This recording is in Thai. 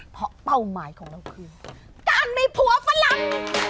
เพราะเป้าหมายของเราคือการมีผัวฝรั่ง